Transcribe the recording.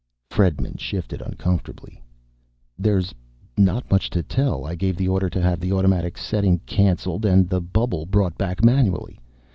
Fredman shifted uncomfortably. "There's not much to tell. I gave the order to have the automatic setting canceled and the bubble brought back manually.